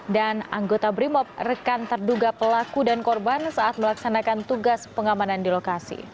dan anggota brimob rekan terduga pelaku dan korban saat melaksanakan tugas pengamanan di lokasi